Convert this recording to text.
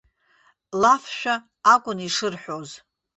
Лафшәа акәын ишырҳәоз.